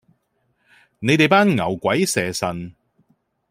你哋班牛鬼蛇神